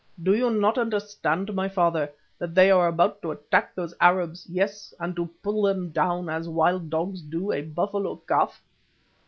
Do you not understand, my father, that they are about to attack those Arabs, yes, and to pull them down, as wild dogs do a buffalo calf?"